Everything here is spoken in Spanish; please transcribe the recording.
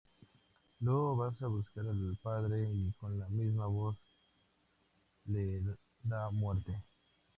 Luego va a buscar al padre y con la misma hoz le da muerte.